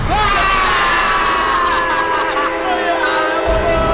ampun mbak kofi